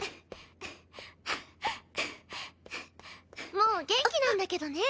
もう元気なんだけどね。